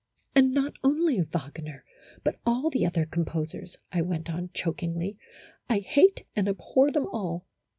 " And not only Wagner, but all the other compos ers," I went on, chokingly ;" I hate and abhor them all.